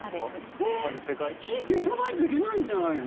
えっ？火、消さないといけないんじゃないの？